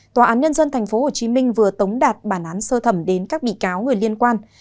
tòa án nhân dân tp hcm vừa tống đạt bản án sơ thẩm đến các bị cáo người liên quan